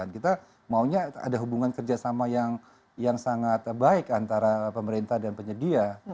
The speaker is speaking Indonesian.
kita maunya ada hubungan kerjasama yang sangat baik antara pemerintah dan penyedia